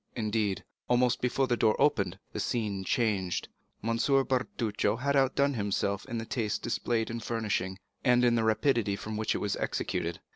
Indeed, almost before the door opened, the scene changed. M. Bertuccio had outdone himself in the taste displayed in furnishing, and in the rapidity with which it was executed.